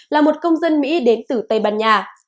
là một công dân mỹ đến từ tây ban nha